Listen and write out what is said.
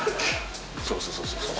そうそうそうそう。